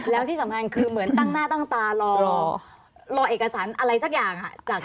แล้วที่สำคัญคือเหมือนตั้งหน้าตั้งตารอเอกสารอะไรสักอย่าง